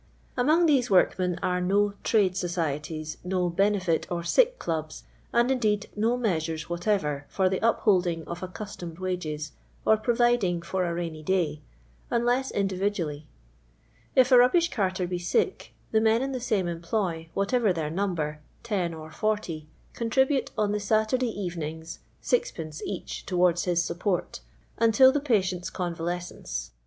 Among these workmen arc no Tixute SocUtUs, no liturjit (tr SicL Civls, and, indeed, no measures \v'}jatc\er for the uphcUJing of accustomed wn^es, or ]»roviding for a rainy day," unless individu ally. If a rubbish carter be sick, the men in the soiiie employ, whatever their number, ]0 or 40, contribute on the Saturday ercuings 6d. each, towards his support, until the patient's conva lescence.